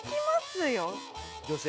女性？